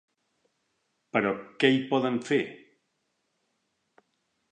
Però què hi poden fer?